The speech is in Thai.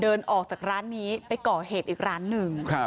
เดินออกจากร้านนี้ไปก่อเหตุอีกร้านหนึ่ง